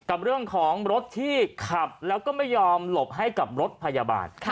กับเรื่องของรถที่ขับแล้วก็ไม่ยอมหลบให้กับรถพยาบาล